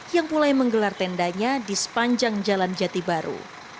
yang mulai menggelar tendanya di sepanjang jalan jati baru